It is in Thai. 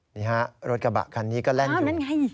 นี่ฮะรถกระบะคันนี้ก็แร่งอยู่